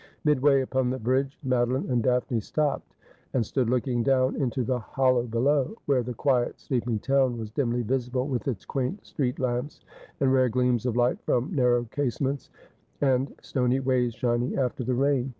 Midway upon the bridge Madoline and Daphne stopped, and stood looking down into the hollow below, where the quiet sleeping town was dimly visible, with its quaint street lamps, and rare gleams of light from narrow case ments, and stony ways shining after the rain.